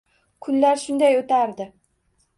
Kunlar shunday o'tardi.